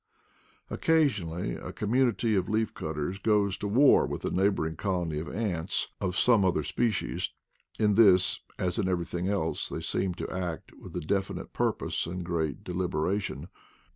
Occa sionally a community of leaf cutters goes to war with a neighboring colony of ants of some other species; in this, as in everything else, they seem to act with a definite purpose and great delibera tion.